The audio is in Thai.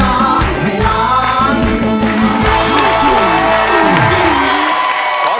หรือว่าจะล้อง